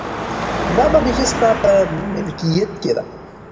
دا باغچه ستا په ملکیت کې ده.